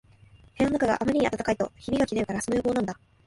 室のなかがあんまり暖かいとひびがきれるから、その予防なんだ